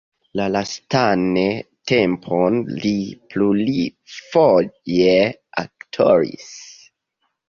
La lastan tempon li plurfoje aktoris.